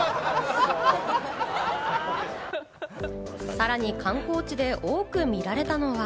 さらに観光地で多く見られたのは。